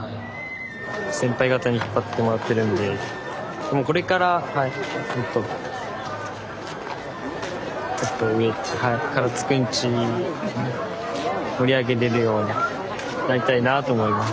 先輩方に引っ張ってもらってるんでもうこれからもっともっと上行って唐津くんち盛り上げれるようになりたいなあと思います。